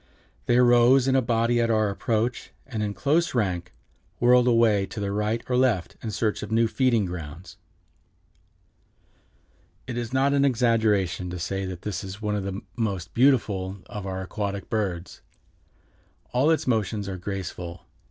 They arose in a body at our approach, and in close rank whirled away to the right or left in search of new feeding grounds." It is not an exaggeration to say that it is one of the most beautiful of our aquatic birds. All its motions are graceful.